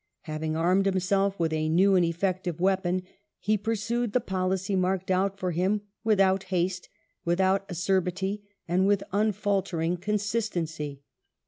Having armed him self with a new and eff*ective weapon he pursued the policy marked out for him without haste, without acerbity, and with unfaltering consistency.